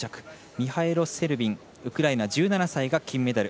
ミハエロ・セルビンウクライナ、１７歳、金メダル。